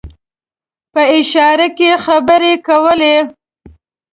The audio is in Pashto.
په اشاره کې خبرې کولې.